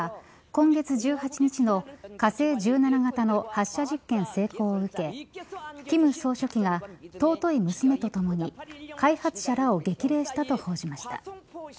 今月１８日の火星１７型の発射実験成功を受け金総書記が尊い娘とともに開発者らを激励したと報じました。